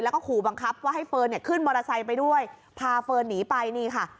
แล้วก็ขู่บังคับว่าให้เฟิร์นเนี่ยขึ้นมอเตอร์ไซค์ไปด้วยพาเฟิร์นหนีไปนี่ค่ะ